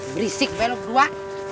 berisik belok dua